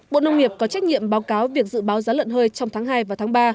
bộ nông nghiệp có trách nhiệm báo cáo việc dự báo giá lợn hơi trong tháng hai và tháng ba